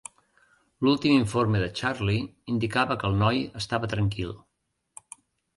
L'últim informe de Charley indicava que el noi estava tranquil.